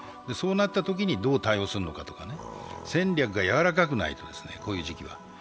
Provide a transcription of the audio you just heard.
そうなったときにどう対応するのかとか、戦略が柔らかくないと、こういう時期は。